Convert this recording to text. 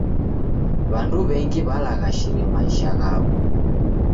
W'andu w'engi walaghashire maisha ghaw'o.